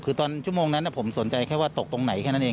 คือตอนชั่วโมงนั้นผมสนใจแค่ว่าตกตรงไหนแค่นั้นเอง